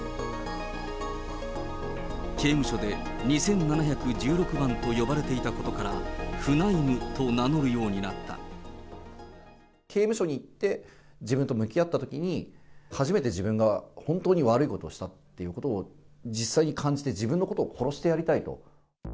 刑務所で２７１６番と呼ばれていたことから、刑務所に行って、自分と向き合ったときに、初めて自分が本当に悪いことをしたっていうことを、実際に感じて、自分のことを殺してやりたいと。